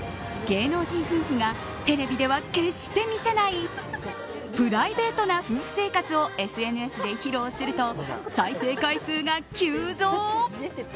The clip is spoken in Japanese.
芸能人夫婦がテレビでは決して見せないプライベートな夫婦生活をＳＮＳで披露すると再生回数が急増。